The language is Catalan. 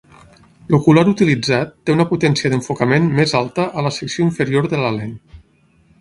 L"ocular utilitzat té una potència d"enfocament més alta a la secció inferior de la lent.